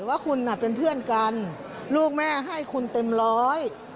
ว่าคุณน่ะเป็นเพื่อนกันลูกแม่ให้คุณเต็มร้อย